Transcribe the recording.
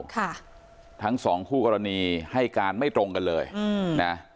ค่ะทั้งสองคู่กรณีให้การไม่ตรงกันเลยอืมนะ